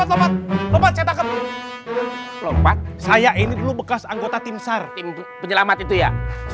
lompat lompat lompat saya ini dulu bekas anggota timsar penyelamat itu ya